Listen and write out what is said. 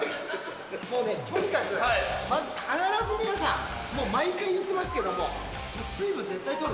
もうね、とにかく、まず必ず皆さん、もう毎回言ってますけども、水分絶対とる。